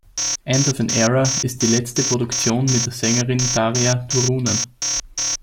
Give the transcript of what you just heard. End of an Era ist die letzte Produktion mit der Sängerin Tarja Turunen.